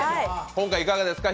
今回、いかがですか？